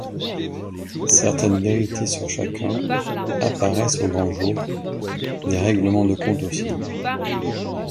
Certaines vérités sur chacun apparaissent au grand jour, des règlements de compte aussi.